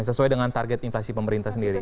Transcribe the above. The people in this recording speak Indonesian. sesuai dengan target inflasi pemerintah sendiri